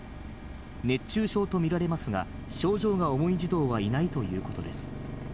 熱中症と見られますが、症状が重い児童はいないということです。